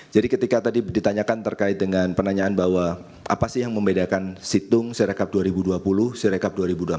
jadi ketika tadi ditanyakan terkait dengan penanyaan bahwa apa sih yang membedakan situng sirekap dua ribu dua puluh sirekap dua ribu dua puluh empat